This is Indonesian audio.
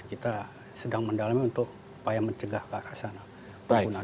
kita sedang mendalami untuk upaya mencegah ke arah sana penggunaan